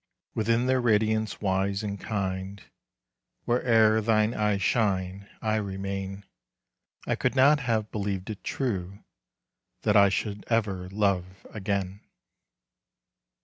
Within their radiance wise and kind, Where'er thine eyes shine, I remain. I could not have believed it true That I should ever love again.